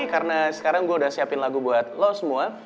karena sekarang gue udah siapin lagu buat lo semua